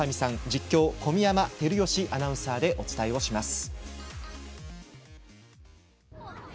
実況、小宮山晃義アナウンサーでお伝えします。